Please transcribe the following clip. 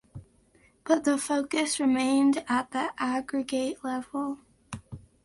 But the focus remained at the aggregate level.